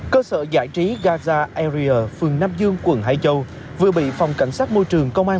cơ sở giải trí gaza arier phường nam dương quận hải châu vừa bị phòng cảnh sát môi trường công an